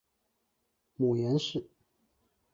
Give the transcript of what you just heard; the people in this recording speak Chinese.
母阎氏。